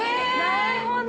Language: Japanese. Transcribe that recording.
なるほど。